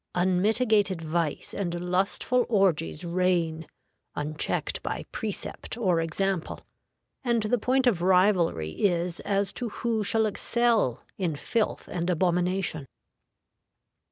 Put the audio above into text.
Unmitigated vice and lustful orgies reign, unchecked by precept or example, and the point of rivalry is as to who shall excel in filth and abomination.